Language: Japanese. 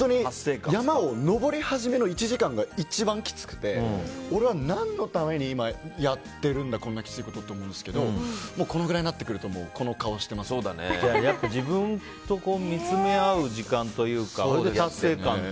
山を登り始めの１時間が一番きつくて俺は何のために今やってるんだこんなきついことをと思うんですけどもう、このぐらいになるとやっぱり自分と見つめ合う時間というかあと、達成感と。